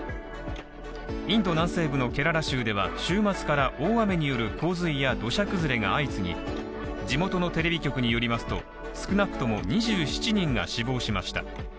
インド南西部のケララ州では、週末から大雨による洪水や土砂崩れが相次ぎ地元のＴＶ局によりますと、少なくとも２１人が死亡しました。